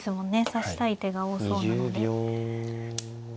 指したい手が多そうなので。